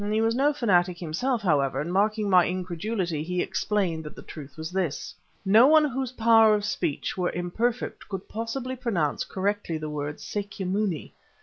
He was no fanatic himself, however, and, marking my incredulity, he explained that the truth was this; "No one whose powers of speech were imperfect could possibly pronounce correctly the words 'Sâkya Mûni.'